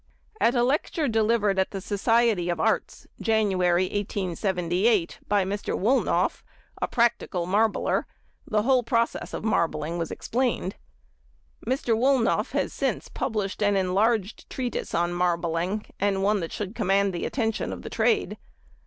At a lecture delivered at the Society of Arts, January, |75| 1878, by Mr. Woolnough, a practical marbler, the whole process of marbling was explained. Mr. Woolnough has since published an enlarged treatise on marbling, and one that should command the attention of the trade.